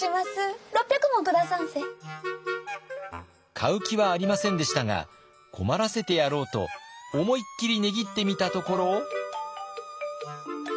買う気はありませんでしたが困らせてやろうと思いっきり値切ってみたところ。